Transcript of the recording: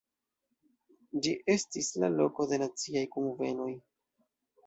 Ĝi estis la loko de naciaj kunvenoj.